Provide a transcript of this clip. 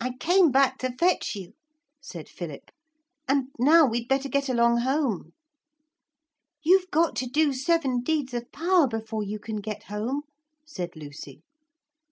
'I came back to fetch you,' said Philip, 'and now we'd better get along home.' 'You've got to do seven deeds of power before you can get home,' said Lucy.